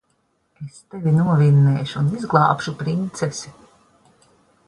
Es tevi novinnēšu un izglābšu princesi.